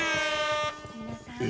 え！